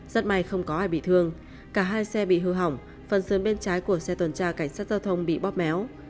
rất may không có ai bị thương cả hai xe bị hư hỏng phần sơn bên trái của xe tuần tra cảnh sát giao thông bị bóp méo